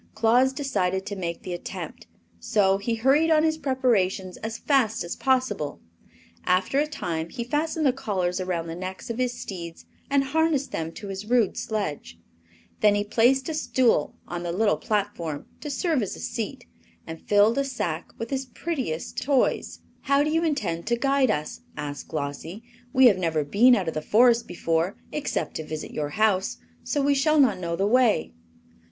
Claus decided to make the attempt, so he hurried on his preparations as fast as possible. After a time he fastened the collars around the necks of his steeds and harnessed them to his rude sledge. Then he placed a stool on the little platform, to serve as a seat, and filled a sack with his prettiest toys. "How do you intend to guide us?" asked Glossie. "We have never been out of the Forest before, except to visit your house, so we shall not know the way."